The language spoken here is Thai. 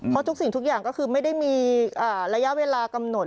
เพราะทุกสิ่งทุกอย่างก็คือไม่ได้มีระยะเวลากำหนด